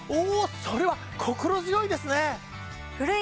それは心強いですね！